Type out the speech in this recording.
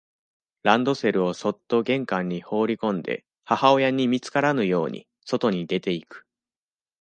ランドセルをそっと玄関に放りこんで、母親に見つからぬように、外に出ていく。